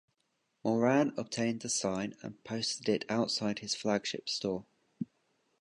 Mauran obtained the sign and posted it outside his flagship store.